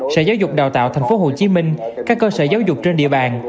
sở giáo dục đào tạo tp hcm các cơ sở giáo dục trên địa bàn